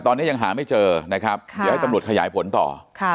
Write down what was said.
ตอนนี้ยังหาไม่เจอนะครับเดี๋ยวให้ตำรวจขยายผลต่อ